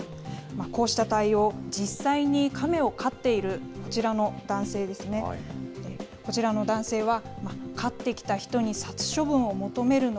こうした対応、実際にカメを飼っているこちらの男性ですね、こちらの男性は。